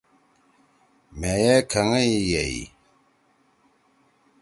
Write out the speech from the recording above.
مھیئے گھنگئی یئی۔